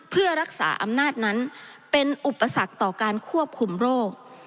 เพื่อรักษาอำนาจนั้นเป็นอุปสรรคต่อการควบคุมโรค